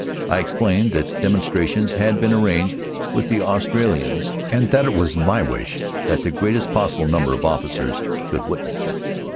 I explained that demonstrations had been arranged with the Australians and that it was my wish that the greatest possible number of officers should witness them.